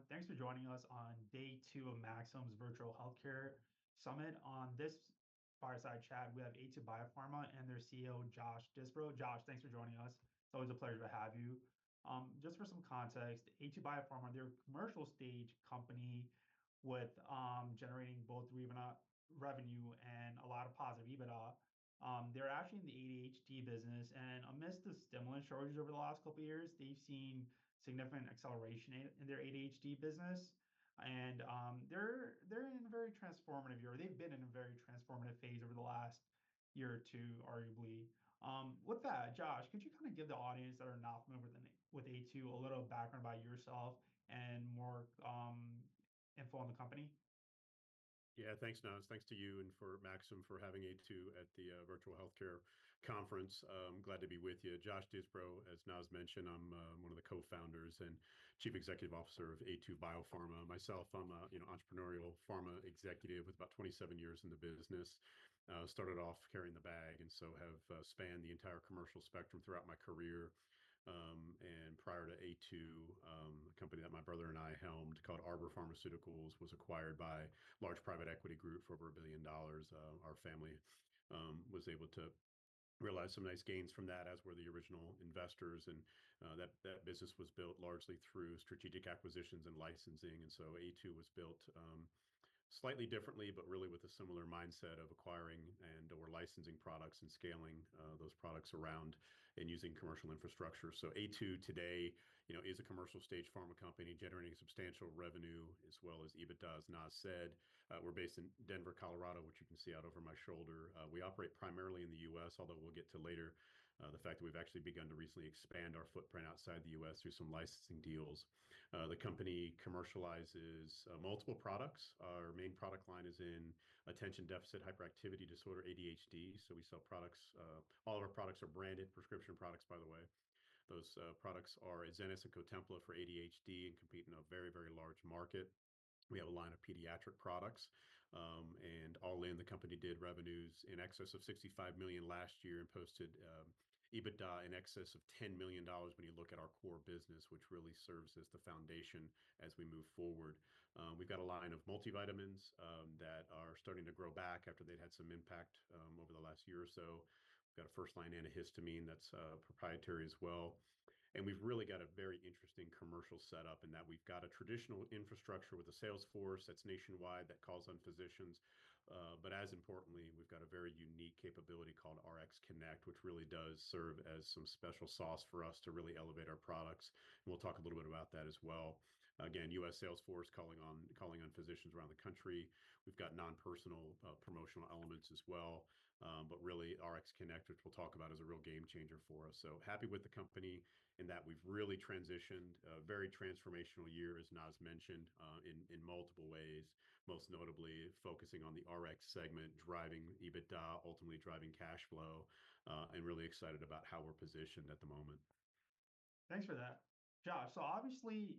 Everyone, thanks for joining us on day two of Maxim's Virtual Healthcare Summit. On this Fireside Chat, we have Aytu BioPharma and their CEO, Josh Disbrow. Josh, thanks for joining us. It's always a pleasure to have you. Just for some context, Aytu BioPharma, they're a commercial stage company with, generating both revenue and a lot of positive EBITDA. They're actually in the ADHD business, and amidst the stimulant shortages over the last couple years, they've seen significant acceleration in their ADHD business. They're in a very transformative year. They've been in a very transformative phase over the last year or two, arguably. With that, Josh, could you kind of give the audience that are not familiar with Aytu, a little background about yourself and more info on the company? Yeah, thanks, Naz. Thanks to you and for Maxim for having Aytu at the Virtual Healthcare Conference. I'm glad to be with you. Josh Disbrow, as Naz mentioned, I'm one of the co-founders and Chief Executive Officer of Aytu BioPharma. Myself, I'm a, you know, entrepreneurial pharma executive with about 27 years in the business. Started off carrying the bag, and so have spanned the entire commercial spectrum throughout my career. And prior to Aytu, a company that my brother and I helmed, called Arbor Pharmaceuticals, was acquired by a large private equity group for over $1 billion. Our family was able to realize some nice gains from that, as were the original investors, and that business was built largely through strategic acquisitions and licensing. And so Aytu was built, slightly differently, but really with a similar mindset of acquiring and/or licensing products and scaling those products around and using commercial infrastructure. So Aytu today, you know, is a commercial stage pharma company generating substantial revenue as well as EBITDA, as Naz said. We're based in Denver, Colorado, which you can see out over my shoulder. We operate primarily in the U.S., although we'll get to later, the fact that we've actually begun to recently expand our footprint outside the U.S. through some licensing deals. The company commercializes multiple products. Our main product line is in attention deficit hyperactivity disorder, ADHD, so we sell products... All of our products are branded prescription products, by the way. Those products are Adzenys and Cotempla for ADHD and compete in a very, very large market. We have a line of pediatric products, and all in, the company did revenues in excess of $65 million last year and posted EBITDA in excess of $10 million dollars when you look at our core business, which really serves as the foundation as we move forward. We've got a line of multivitamins that are starting to grow back after they'd had some impact over the last year or so. We've got a first-line antihistamine that's proprietary as well. And we've really got a very interesting commercial setup in that we've got a traditional infrastructure with a sales force that's nationwide, that calls on physicians. But as importantly, we've got a very unique capability called RxConnect, which really does serve as some special sauce for us to really elevate our products, and we'll talk a little bit about that as well. Again, U.S. sales force calling on physicians around the country. We've got non-personal promotional elements as well, but really, RxConnect, which we'll talk about, is a real game changer for us, so happy with the company in that we've really transitioned, a very transformational year, as Naz mentioned, in multiple ways, most notably focusing on the Rx segment, driving EBITDA, ultimately driving cash flow, and really excited about how we're positioned at the moment. Thanks for that. Josh, so obviously,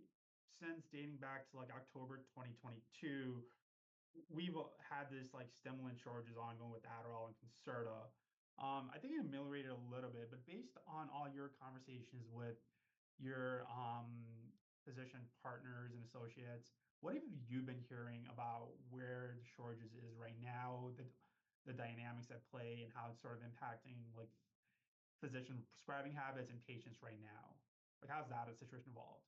since dating back to, like, October 2022, we've had this, like, stimulant shortages ongoing with Adderall and Concerta. I think it ameliorated a little bit, but based on all your conversations with your physician partners and associates, what have you been hearing about where the shortages is right now, the dynamics at play, and how it's sort of impacting, like, physician prescribing habits and patients right now? Like, how's that situation evolved?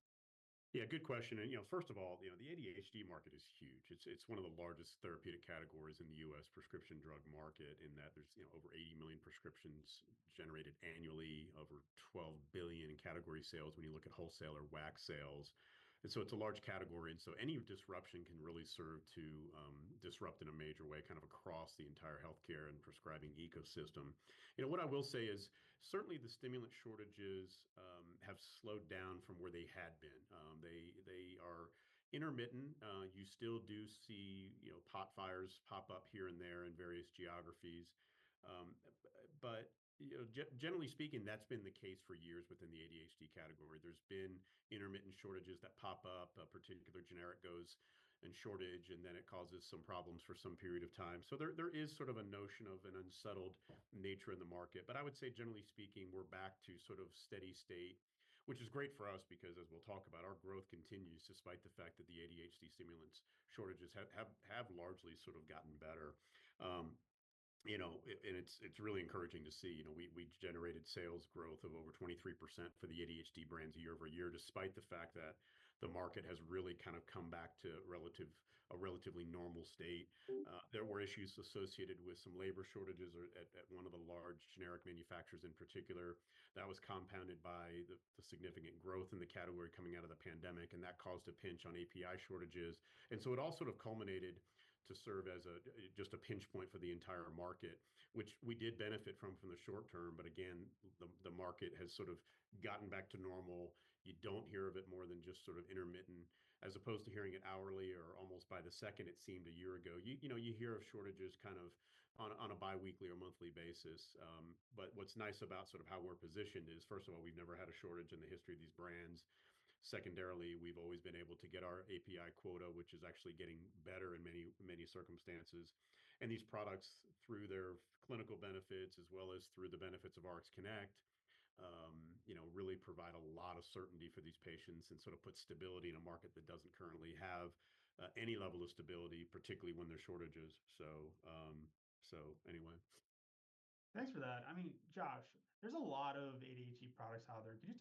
Yeah, good question. And you know, first of all, you know, the ADHD market is huge. It's one of the largest therapeutic categories in the U.S. prescription drug market, in that there's you know, over 80 million prescriptions generated annually, over $12 billion in category sales when you look at wholesale or WAC sales. And so it's a large category, and so any disruption can really serve to disrupt in a major way, kind of across the entire healthcare and prescribing ecosystem. You know, what I will say is, certainly, the stimulant shortages have slowed down from where they had been. They are intermittent. You still do see, you know, spot fires pop up here and there in various geographies. But you know, generally speaking, that's been the case for years within the ADHD category. There's been intermittent shortages that pop up. A particular generic goes in shortage, and then it causes some problems for some period of time. So there is sort of a notion of an unsettled nature in the market, but I would say, generally speaking, we're back to sort of steady state, which is great for us, because as we'll talk about, our growth continues despite the fact that the ADHD stimulants shortages have largely sort of gotten better. You know, and it's really encouraging to see. You know, we've generated sales growth of over 23% for the ADHD brands year over year, despite the fact that the market has really kind of come back to relatively normal state. There were issues associated with some labor shortages at one of the large generic manufacturers in particular. That was compounded by the significant growth in the category coming out of the pandemic, and that caused a pinch on API shortages. And so it all sort of culminated to serve as a just a pinch point for the entire market, which we did benefit from for the short term, but again, the market has sort of gotten back to normal. You don't hear of it more than just sort of intermittent, as opposed to hearing it hourly or almost by the second it seemed a year ago. You know, you hear of shortages kind of on a bi-weekly or monthly basis. But what's nice about sort of how we're positioned is, first of all, we've never had a shortage in the history of these brands. Secondarily, we've always been able to get our API quota, which is actually getting better in many, many circumstances. And these products, through their clinical benefits, as well as through the benefits of RxConnect, you know, really provide a lot of certainty for these patients and sort of put stability in a market that doesn't currently have any level of stability, particularly when there are shortages. So, so anyway. Thanks for that. I mean, Josh, there's a lot of ADHD products out there. Could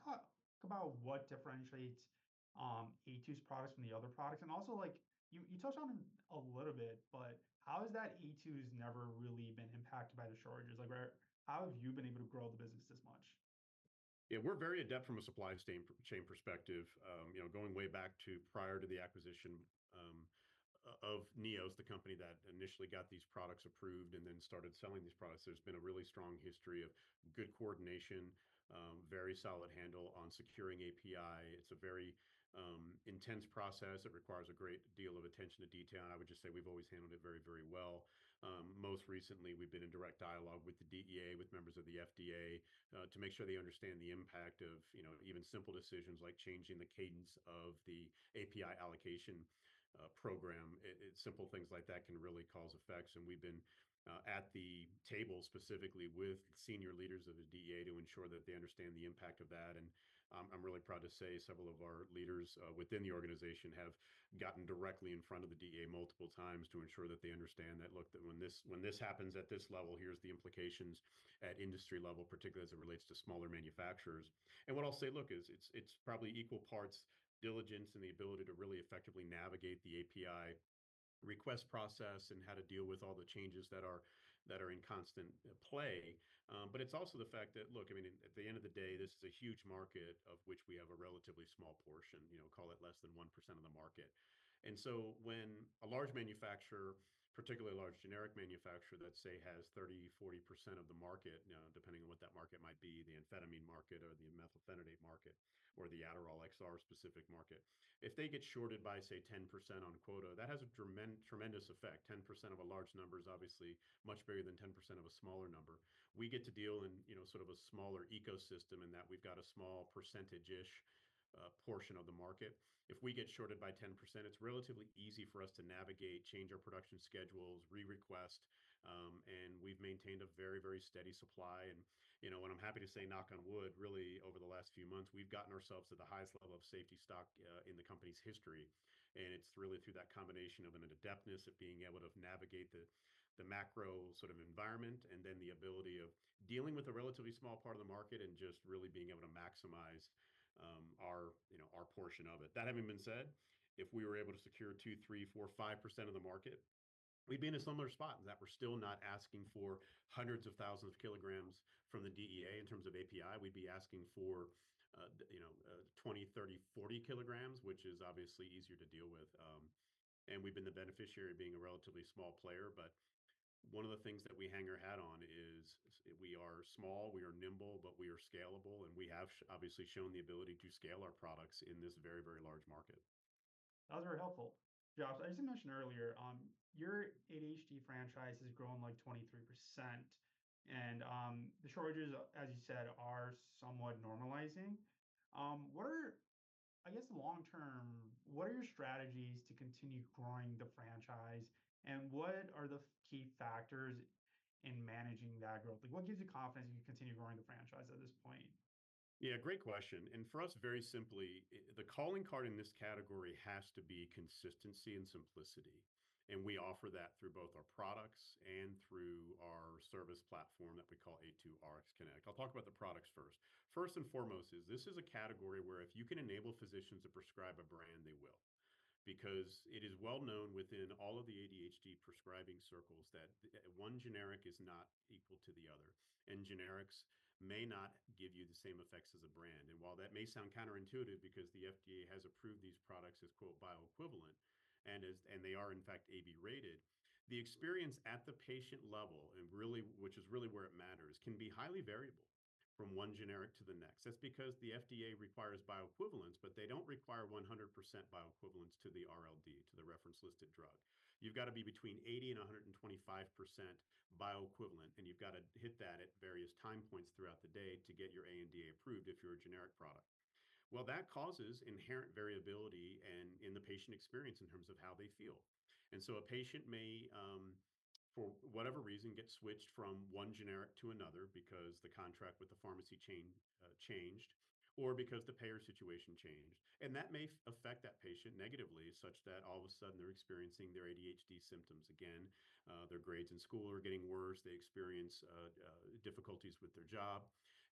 you talk about what differentiates Adzenys products from the other products? And also, like, you touched on it a little bit, but how is that Adzenys never really been impacted by the shortages? Like, how have you been able to grow the business this much? Yeah, we're very adept from a supply chain perspective. You know, going way back to prior to the acquisition of Neos, the company that initially got these products approved and then started selling these products. There's been a really strong history of good coordination, very solid handle on securing API. It's a very intense process. It requires a great deal of attention to detail, and I would just say we've always handled it very, very well. Most recently, we've been in direct dialogue with the DEA, with members of the FDA, to make sure they understand the impact of, you know, even simple decisions like changing the cadence of the API allocation program. Simple things like that can really cause effects, and we've been at the table specifically with senior leaders of the DEA to ensure that they understand the impact of that. And I'm really proud to say several of our leaders within the organization have gotten directly in front of the DEA multiple times to ensure that they understand that, look, that when this happens at this level, here's the implications at industry level, particularly as it relates to smaller manufacturers. And what I'll say, look, is it's probably equal parts diligence and the ability to really effectively navigate the API request process and how to deal with all the changes that are in constant play. But it's also the fact that, look, I mean, at the end of the day, this is a huge market of which we have a relatively small portion, you know, call it less than 1% of the market. And so when a large manufacturer, particularly a large generic manufacturer, that, say, has 30-40% of the market, now, depending on what that market might be, the amphetamine market or the methylphenidate market or the Adderall XR-specific market, if they get shorted by, say, 10% on quota, that has a tremendous effect. 10% of a large number is obviously much bigger than 10% of a smaller number. We get to deal in, you know, sort of a smaller ecosystem, in that we've got a small percentage-ish portion of the market. If we get shorted by 10%, it's relatively easy for us to navigate, change our production schedules, re-request, and we've maintained a very, very steady supply. And, you know, what I'm happy to say, knock on wood, really, over the last few months, we've gotten ourselves to the highest level of safety stock in the company's history, and it's really through that combination of an adeptness of being able to navigate the macro sort of environment, and then the ability of dealing with a relatively small part of the market and just really being able to maximize our, you know, our portion of it. That having been said, if we were able to secure 2-5% of the market, we'd be in a similar spot in that we're still not asking for hundreds of thousands of kilograms from the DEA in terms of API. We'd be asking for 20-40 kilograms, which is obviously easier to deal with, and we've been the beneficiary of being a relatively small player, but one of the things that we hang our hat on is we are small, we are nimble, but we are scalable, and we have obviously shown the ability to scale our products in this very, very large market. That was very helpful. Josh, as you mentioned earlier, your ADHD franchise has grown, like, 23%, and the shortages, as you said, are somewhat normalizing. I guess long term, what are your strategies to continue growing the franchise, and what are the key factors in managing that growth? Like, what gives you confidence you can continue growing the franchise at this point? Yeah, great question, and for us, very simply, the calling card in this category has to be consistency and simplicity, and we offer that through both our products and through our service platform that we call Aytu RxConnect. I'll talk about the products first. First and foremost, is this is a category where if you can enable physicians to prescribe a brand, they will. Because it is well known within all of the ADHD prescribing circles, that one generic is not equal to the other, and generics may not give you the same effects as a brand. And while that may sound counterintuitive because the FDA has approved these products as, quote, "bioequivalent," and is, and they are in fact, AB-rated, the experience at the patient level, and really, which is really where it matters, can be highly variable from one generic to the next. That's because the FDA requires bioequivalents, but they don't require 100% bioequivalence to the RLD, to the reference-listed drug. You've got to be between 80% and 125% bioequivalent, and you've got to hit that at various time points throughout the day to get your ANDA approved if you're a generic product. Well, that causes inherent variability and in the patient experience, in terms of how they feel. And so a patient may, for whatever reason, get switched from one generic to another because the contract with the pharmacy chain changed or because the payer situation changed, and that may affect that patient negatively, such that all of a sudden they're experiencing their ADHD symptoms again, their grades in school are getting worse, they experience difficulties with their job.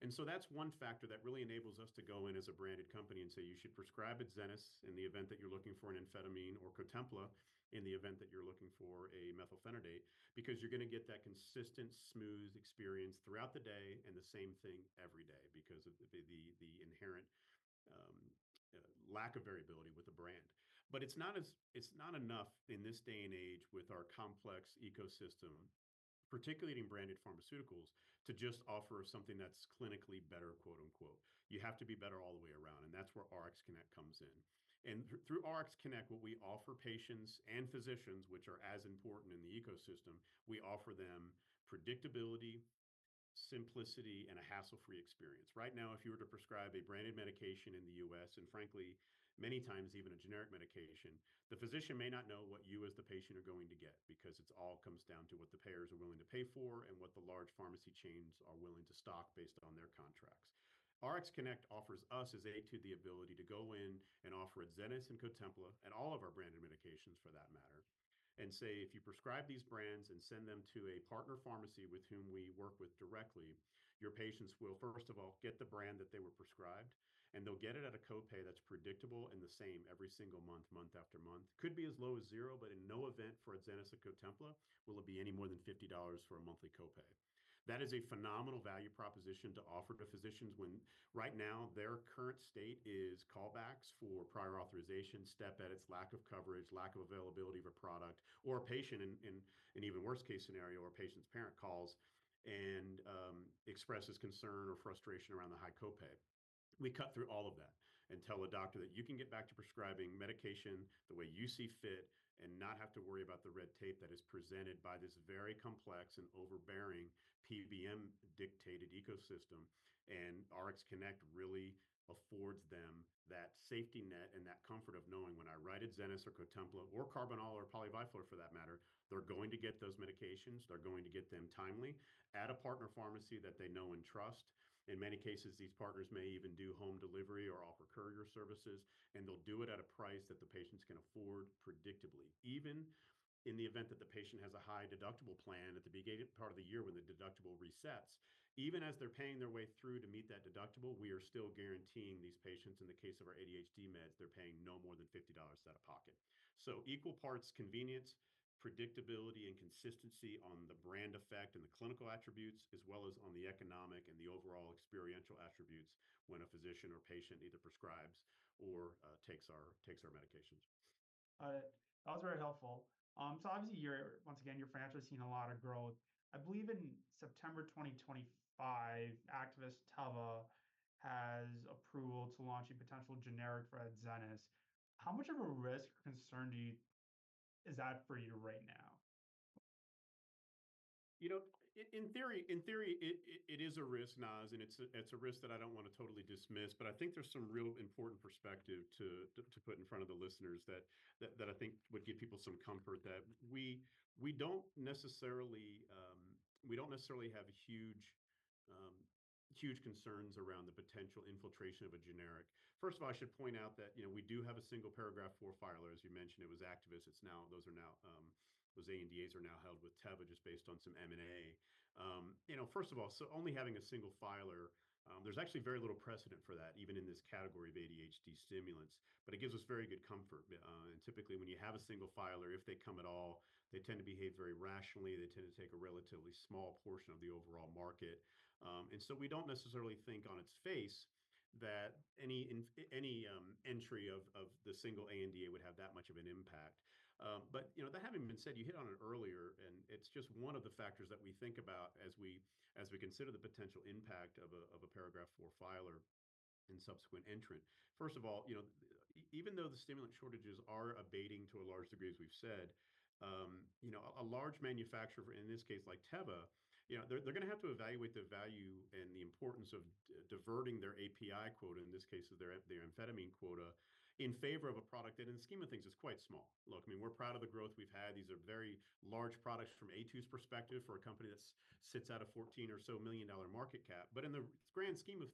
And so that's one factor that really enables us to go in as a branded company and say: You should prescribe Adzenys in the event that you're looking for an amphetamine or Cotempla, in the event that you're looking for a methylphenidate, because you're gonna get that consistent, smooth experience throughout the day, and the same thing every day, because of the inherent lack of variability with the brand. But it's not enough in this day and age with our complex ecosystem, particularly in branded pharmaceuticals, to just offer something that's clinically better, quote-unquote. "You have to be better all the way around," and that's where RxConnect comes in. And through RxConnect, what we offer patients and physicians, which are as important in the ecosystem, we offer them predictability, simplicity, and a hassle-free experience. Right now, if you were to prescribe a branded medication in the U.S., and frankly, many times, even a generic medication, the physician may not know what you as the patient are going to get, because it's all comes down to what the payers are willing to pay for and what the large pharmacy chains are willing to stock based on their contracts. RxConnect offers us as Aytu the ability to go in and offer Adzenys and Cotempla, and all of our branded medications for that matter, and say, "If you prescribe these brands and send them to a partner pharmacy with whom we work with directly, your patients will, first of all, get the brand that they were prescribed, and they'll get it at a copay that's predictable and the same every single month, month after month. Could be as low as zero, but in no event for Adzenys or Cotempla, will it be any more than $50 for a monthly copay." That is a phenomenal value proposition to offer to physicians when right now, their current state is callbacks for prior authorization, step edits, lack of coverage, lack of availability of a product, or a patient in an even worse case scenario, or a patient's parent calls and expresses concern or frustration around the high copay. We cut through all of that and tell the doctor that you can get back to prescribing medication the way you see fit and not have to worry about the red tape that is presented by this very complex and overbearing PBM-dictated ecosystem. RxConnect really affords them that safety net and that comfort of knowing when I write Adzenys or Cotempla or Karbinal or Poly-Vi-Flor for that matter, they're going to get those medications, they're going to get them timely at a partner pharmacy that they know and trust. In many cases, these partners may even do home delivery or offer courier services, and they'll do it at a price that the patients can afford predictably. Even in the event that the patient has a high deductible plan at the beginning part of the year when the deductible resets, even as they're paying their way through to meet that deductible, we are still guaranteeing these patients, in the case of our ADHD meds, they're paying no more than $50 out of pocket. Equal parts convenience, predictability, and consistency on the brand effect and the clinical attributes, as well as on the economic and the overall experiential attributes when a physician or patient either prescribes or takes our medications. That was very helpful, so obviously you're once again financially seeing a lot of growth. I believe in September 2025, Actavis Teva has approval to launch a potential generic for Adzenys. How much of a risk or concern is that for you right now? You know, in theory, it is a risk, Naz, and it's a risk that I don't wanna totally dismiss, but I think there's some real important perspective to put in front of the listeners that I think would give people some comfort, that we don't necessarily have huge concerns around the potential infiltration of a generic. First of all, I should point out that, you know, we do have a single Paragraph IV filer, as you mentioned, it was Actavis. It's now those ANDAs are held with Teva just based on some M&A. You know, first of all, so only having a single filer, there's actually very little precedent for that, even in this category of ADHD stimulants, but it gives us very good comfort. And typically, when you have a single filer, if they come at all, they tend to behave very rationally. They tend to take a relatively small portion of the overall market. And so we don't necessarily think on its face that any entry of the single ANDA would have that much of an impact. But, you know, that having been said, you hit on it earlier, and it's just one of the factors that we think about as we consider the potential impact of a Paragraph IV filer and subsequent entrant. First of all, you know, even though the stimulant shortages are abating to a large degree, as we've said, you know, a large manufacturer, in this case, like Teva, you know, they're gonna have to evaluate the value and the importance of diverting their API quota, in this case, their amphetamine quota, in favor of a product that, in the scheme of things, is quite small. Look, I mean, we're proud of the growth we've had. These are very large products from Aytu's perspective, for a company that sits at a $14 million or so market cap. But in the grand scheme of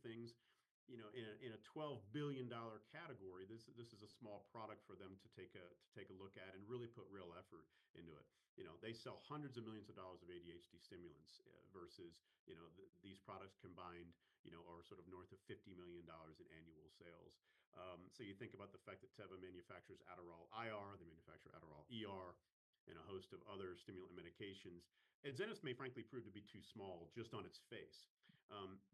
things, you know, in a $12 billion category, this is a small product for them to take a look at and really put real effort into it. You know, they sell hundreds of millions of dollars of ADHD stimulants, versus, you know, these products combined, you know, are sort of north of $50 million in annual sales, so you think about the fact that Teva manufactures Adderall IR, they manufacture Adderall XR, and a host of other stimulant medications, Adzenys may frankly prove to be too small just on its face,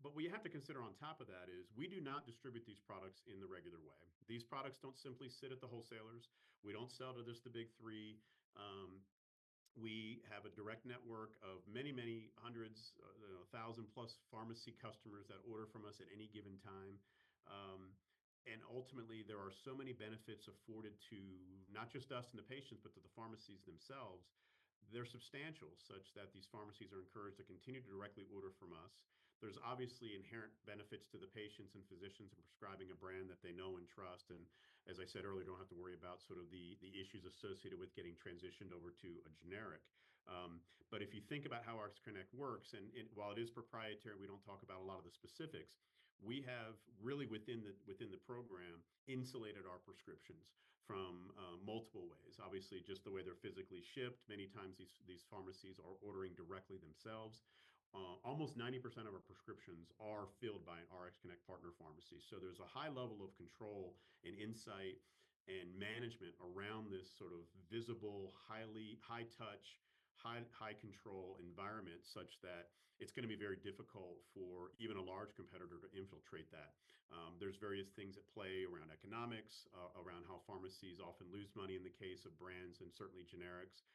but we have to consider on top of that is, we do not distribute these products in the regular way. These products don't simply sit at the wholesalers. We don't sell to just the big three. We have a direct network of many, many hundreds, you know, a 1,000-plus pharmacy customers that order from us at any given time. and ultimately, there are so many benefits afforded to not just us and the patients, but to the pharmacies themselves. They're substantial, such that these pharmacies are encouraged to continue to directly order from us. There's obviously inherent benefits to the patients and physicians in prescribing a brand that they know and trust, and as I said earlier, don't have to worry about sort of the issues associated with getting transitioned over to a generic. But if you think about how RxConnect works, and while it is proprietary, we don't talk about a lot of the specifics, we have really, within the program, insulated our prescriptions from multiple ways. Obviously, just the way they're physically shipped, many times these pharmacies are ordering directly themselves. Almost 90% of our prescriptions are filled by an RxConnect partner pharmacy, so there's a high level of control and insight and management around this sort of visible, high touch, high control environment, such that it's gonna be very difficult for even a large competitor to infiltrate that. There's various things at play around economics, around how pharmacies often lose money in the case of brands and certainly generics.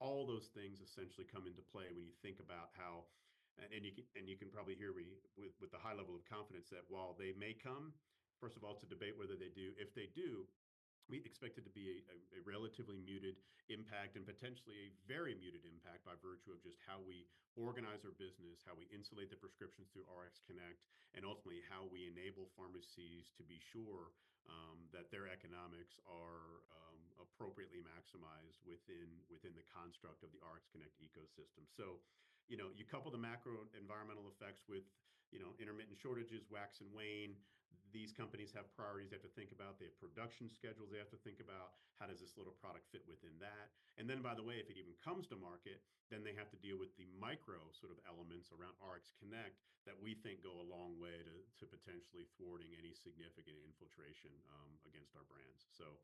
All those things essentially come into play when you think about how... You can probably hear me with the high level of confidence that while they may come, first of all, to debate whether they do, if they do, we expect it to be a relatively muted impact and potentially a very muted impact by virtue of just how we organize our business, how we insulate the prescriptions through RxConnect, and ultimately, how we enable pharmacies to be sure that their economics are appropriately maximize within the construct of the RxConnect ecosystem. You know, you couple the macro environmental effects with, you know, intermittent shortages, wax and wane. These companies have priorities they have to think about, they have production schedules they have to think about, how does this little product fit within that? And then, by the way, if it even comes to market, then they have to deal with the micro sort of elements around RxConnect that we think go a long way to potentially thwarting any significant infiltration against our brands. So,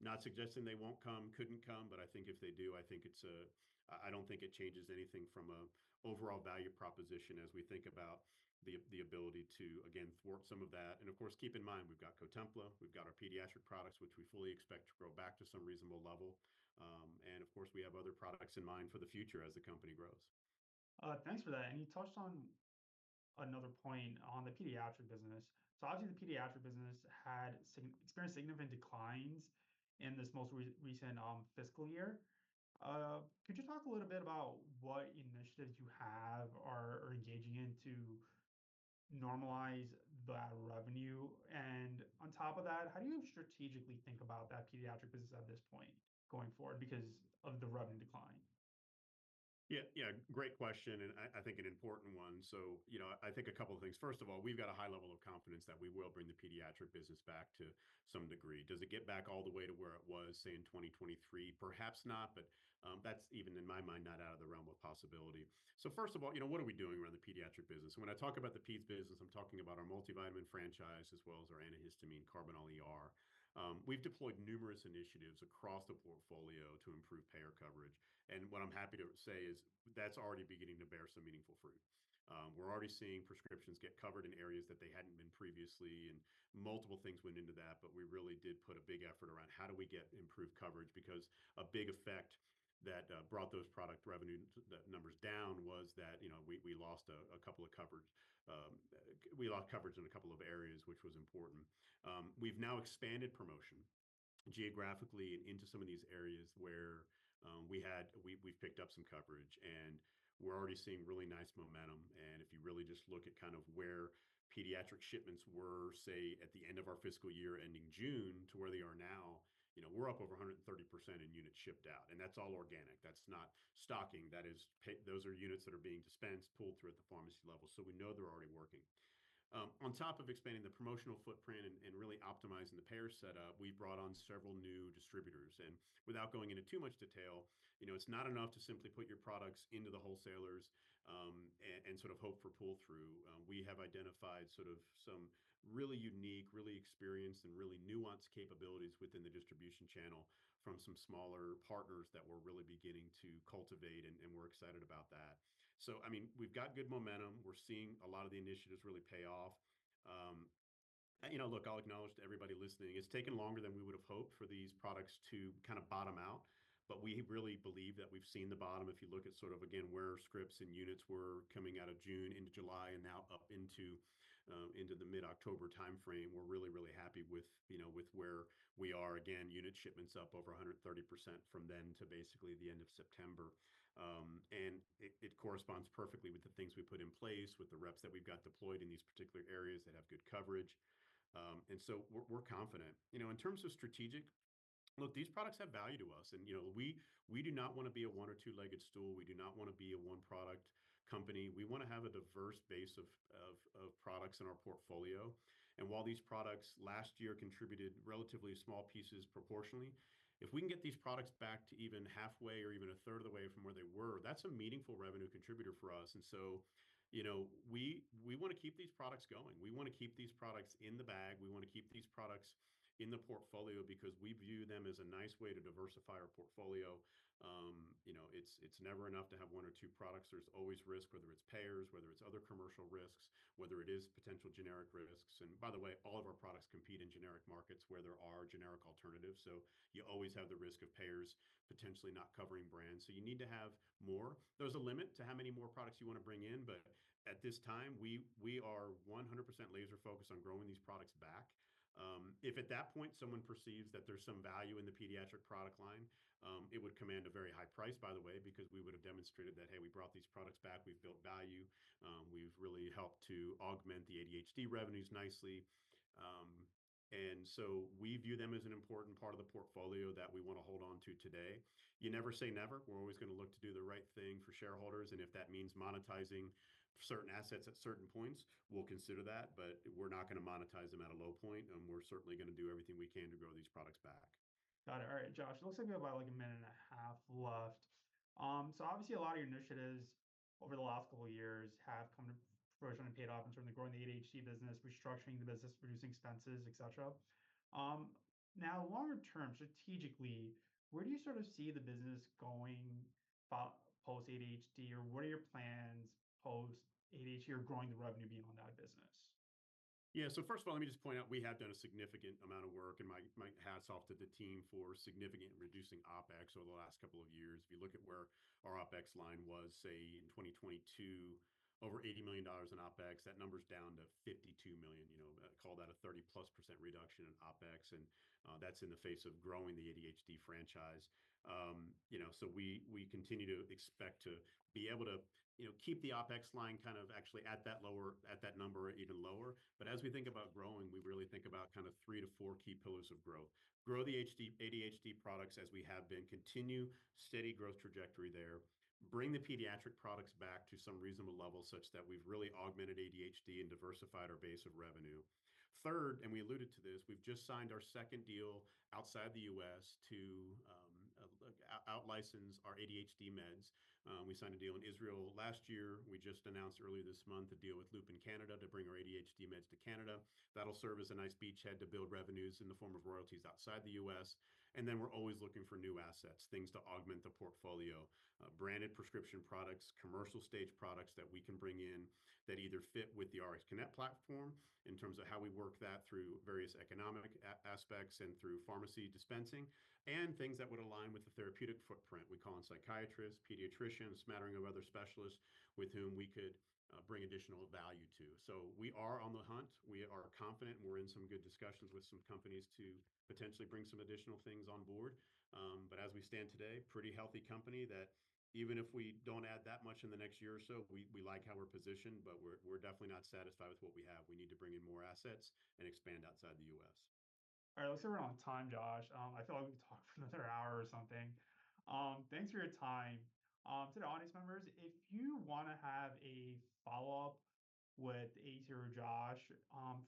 not suggesting they won't come, couldn't come, but I think if they do, I think it's a I don't think it changes anything from a overall value proposition as we think about the ability to, again, thwart some of that. And of course, keep in mind, we've got Cotempla, we've got our pediatric products, which we fully expect to grow back to some reasonable level. And of course, we have other products in mind for the future as the company grows. Thanks for that. And you touched on another point on the pediatric business. So obviously, the pediatric business had experienced significant declines in this most recent fiscal year. Could you talk a little bit about what initiatives you have or are engaging in to normalize that revenue? And on top of that, how do you strategically think about that pediatric business at this point going forward because of the revenue decline? Yeah, yeah, great question, and I, I think an important one. So, you know, I think a couple of things. First of all, we've got a high level of confidence that we will bring the pediatric business back to some degree. Does it get back all the way to where it was, say, in 2023? Perhaps not, but that's even, in my mind, not out of the realm of possibility. So first of all, you know, what are we doing around the pediatric business? When I talk about the peds business, I'm talking about our multivitamin franchise, as well as our antihistamine, Karbinal ER. We've deployed numerous initiatives across the portfolio to improve payer coverage, and what I'm happy to say is that's already beginning to bear some meaningful fruit. We're already seeing prescriptions get covered in areas that they hadn't been previously, and multiple things went into that, but we really did put a big effort around how do we get improved coverage? Because a big effect that brought those product revenue, the numbers down, was that, you know, we lost coverage in a couple of areas, which was important. We've now expanded promotion geographically into some of these areas where we've picked up some coverage, and we're already seeing really nice momentum. And if you really just look at kind of where pediatric shipments were, say, at the end of our fiscal year ending June, to where they are now, you know, we're up over 130% in units shipped out, and that's all organic. That's not stocking. That is those are units that are being dispensed, pulled through at the pharmacy level, so we know they're already working. On top of expanding the promotional footprint and really optimizing the payer setup, we brought on several new distributors. Without going into too much detail, you know, it's not enough to simply put your products into the wholesalers and sort of hope for pull-through. We have identified sort of some really unique, really experienced, and really nuanced capabilities within the distribution channel from some smaller partners that we're really beginning to cultivate, and we're excited about that. I mean, we've got good momentum. We're seeing a lot of the initiatives really pay off. And you know, look, I'll acknowledge to everybody listening, it's taken longer than we would've hoped for these products to kind of bottom out, but we really believe that we've seen the bottom. If you look at sort of, again, where scripts and units were coming out of June into July and now up into the mid-October timeframe, we're really, really happy with, you know, with where we are. Again, unit shipments up over 130% from then to basically the end of September. And it corresponds perfectly with the things we put in place, with the reps that we've got deployed in these particular areas that have good coverage. And so we're confident. You know, in terms of strategic, look, these products have value to us, and, you know, we do not wanna be a one or two-legged stool. We do not wanna be a one-product company. We wanna have a diverse base of products in our portfolio, and while these products last year contributed relatively small pieces proportionally, if we can get these products back to even halfway or even a third of the way from where they were, that's a meaningful revenue contributor for us. And so, you know, we wanna keep these products going. We wanna keep these products in the bag. We wanna keep these products in the portfolio because we view them as a nice way to diversify our portfolio. You know, it's never enough to have one or two products. There's always risk, whether it's payers, whether it's other commercial risks, whether it is potential generic risks, and by the way, all of our products compete in generic markets where there are generic alternatives, so you always have the risk of payers potentially not covering brands, so you need to have more. There's a limit to how many more products you wanna bring in, but at this time, we are 100% laser focused on growing these products back. If at that point, someone perceives that there's some value in the pediatric product line, it would command a very high price, by the way, because we would have demonstrated that, hey, we brought these products back, we've built value, we've really helped to augment the ADHD revenues nicely. And so we view them as an important part of the portfolio that we wanna hold on to today. You never say never. We're always gonna look to do the right thing for shareholders, and if that means monetizing certain assets at certain points, we'll consider that, but we're not gonna monetize them at a low point, and we're certainly gonna do everything we can to grow these products back. Got it. All right, Josh, it looks like we have about, like, a minute and a half left. So obviously, a lot of your initiatives over the last couple of years have come to fruition and paid off in terms of growing the ADHD business, restructuring the business, reducing expenses, et cetera. Now, longer term, strategically, where do you sort of see the business going post ADHD, or what are your plans post ADHD, or growing the revenue beyond that business? Yeah. So first of all, let me just point out, we have done a significant amount of work, and my hats off to the team for significantly reducing OpEx over the last couple of years. If you look at where our OpEx line was, say, in 2022, over $80 million in OpEx, that number's down to $52 million. You know, call that a 30-plus% reduction in OpEx, and that's in the face of growing the ADHD franchise. You know, so we continue to expect to be able to, you know, keep the OpEx line kind of actually at that lower, at that number or even lower. But as we think about growing, we really think about kind of three to four key pillars of growth. Grow the ADHD products as we have been, continue steady growth trajectory there, bring the pediatric products back to some reasonable level such that we've really augmented ADHD and diversified our base of revenue. Third, and we alluded to this, we've just signed our second deal outside the US to outlicense our ADHD meds. We signed a deal in Israel last year. We just announced earlier this month a deal with Lupin, Canada, to bring our ADHD meds to Canada. That'll serve as a nice beachhead to build revenues in the form of royalties outside the US. And then we're always looking for new assets, things to augment the portfolio, branded prescription products, commercial stage products that we can bring in that either fit with the RxConnect platform in terms of how we work that through various economic aspects and through pharmacy dispensing, and things that would align with the therapeutic footprint. We're calling psychiatrists, pediatricians, a smattering of other specialists with whom we could bring additional value to. So we are on the hunt. We are confident, and we're in some good discussions with some companies to potentially bring some additional things on board. But as we stand today, pretty healthy company that even if we don't add that much in the next year or so, we like how we're positioned, but we're definitely not satisfied with what we have. We need to bring in more assets and expand outside the U.S. All right. Let's stay right on time, Josh. I feel like we could talk for another hour or something. Thanks for your time. To the audience members, if you wanna have a follow-up with either Josh,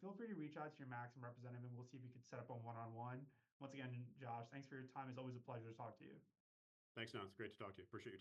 feel free to reach out to your Maxim representative, and we'll see if we can set up a one-on-one. Once again, Josh, thanks for your time. It's always a pleasure to talk to you. Thanks, Naz. Great to talk to you. Appreciate your time.